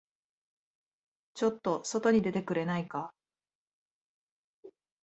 ちょっと外に出てくれないか。